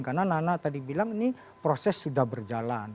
karena nana tadi bilang ini proses sudah berjalan